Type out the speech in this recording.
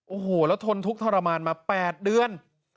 โอ้โหแล้วทนทุกข์ทรมานมา๘เดือน